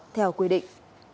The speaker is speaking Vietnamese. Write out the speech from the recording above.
theo quy định